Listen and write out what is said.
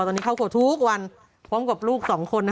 ตอนนี้เข้าครัวทุกวันเพราะลูกสองคน